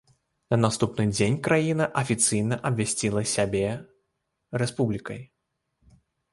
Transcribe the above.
На наступны дзень краіна афіцыйна абвясціла сябе рэспублікай.